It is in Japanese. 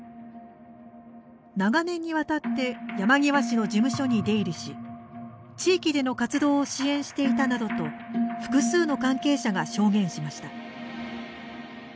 長年にわたって山際氏の事務所に出入りし地域での活動を支援していたなどと複数の関係者が証言しました。